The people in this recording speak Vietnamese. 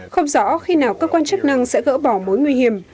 không rõ khi nào cơ quan chức năng sẽ gỡ bỏ mối nguy hiểm